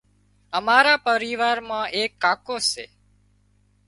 امارا پريوار مان ايڪ ڪاڪو سي